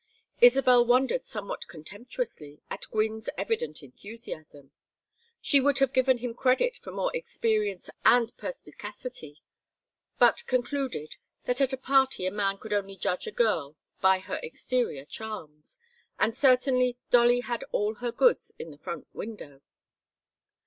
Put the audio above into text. Isabel wondered somewhat contemptuously at Gwynne's evident enthusiasm; she would have given him credit for more experience and perspicacity; but concluded that at a party a man could only judge a girl by her exterior charms; and certainly Dolly had all her goods in the front window.